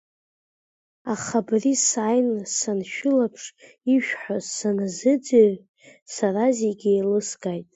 Аха абра сааины саншәылаԥш, ишәҳәоз саназыӡырҩ, сара зегь еилыскааит…